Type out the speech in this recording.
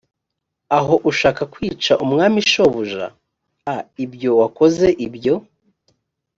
aho ashaka kwica umwami shobuja a ibyo wakoze ibyo